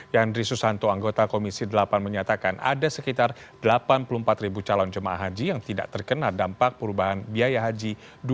yandri susanto anggota komisi delapan menyatakan ada sekitar delapan puluh empat ribu calon jemaah haji yang tidak terkena dampak perubahan biaya haji dua ribu dua puluh